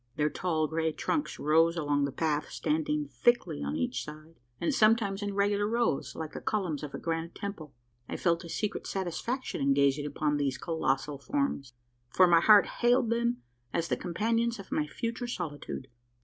Their tall grey trunks rose along the path, standing thickly on each side, and sometimes in regular rows, like the columns of a grand temple. I felt a secret satisfaction in gazing upon these colossal forms: for my heart hailed them as the companions of my future solitude.